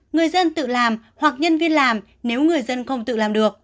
người dân tự làm hoặc nhân viên làm nếu người dân không tự làm được